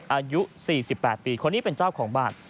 อายุ๔๘ปีคนนี้เป็นเจ้าของบ้าน